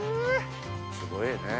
すごいよね。